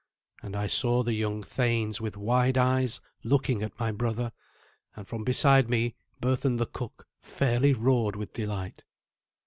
And I saw the young thanes with wide eyes looking at my brother, and from beside me Berthun the cook fairly roared with delight.